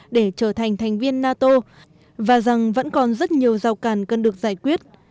để trở thành thành viên nato và rằng vẫn còn rất nhiều rào càn cần được giải quyết